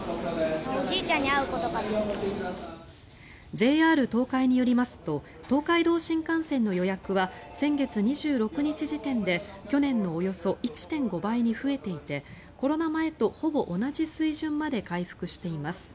ＪＲ東海によりますと東海道新幹線の予約は先月２６日時点で去年のおよそ１．５倍に増えていてコロナ前とほぼ同じ水準まで回復しています。